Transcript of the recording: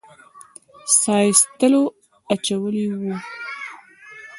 ساه ایستلو اچولي وو.